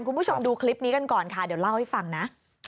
คุณผู้ชมดูคลิปนี้กันก่อนค่ะเดี๋ยวเล่าให้ฟังนะ